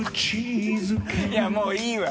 いやもういいわ！